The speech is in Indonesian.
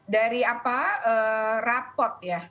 dari apa rapot ya